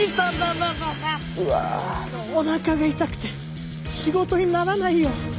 おなかが痛くて仕事にならないよ！